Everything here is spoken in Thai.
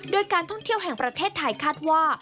โดยการท่องเที่ยวแห่งประเทศไทยคาดว่า